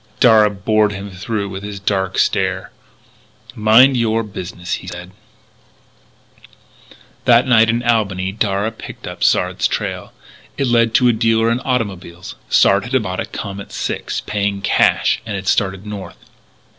Darragh bored him through with his dark stare: "Mind your business," he said. That night in Albany Darragh picked up Sard's trail. It led to a dealer in automobiles. Sard had bought a Comet Six, paying cash, and had started north.